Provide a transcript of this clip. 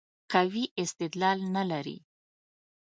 قوي استدلال نه لري.